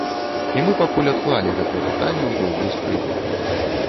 І мы пакуль адклалі гэтае пытанне ў доўгую скрыню.